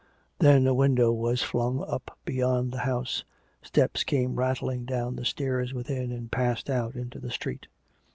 Then a window was flung up beyond the house; steps came rattling down the stairs within and passed out into the street.